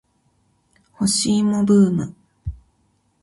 干し芋ブーム